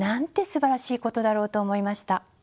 すばらしいことだろうと思いました。